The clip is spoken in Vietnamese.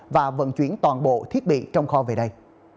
và vận chuyển toàn bộ thiết bị trong kho về đây